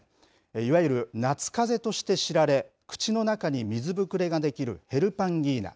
いわゆる夏かぜとして知られ、口の中に水ぶくれが出来るヘルパンギーナ。